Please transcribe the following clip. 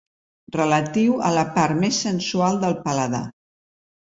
Relatiu a la part més sensual del paladar.